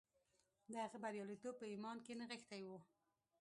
د هغه برياليتوب په ايمان کې نغښتی و.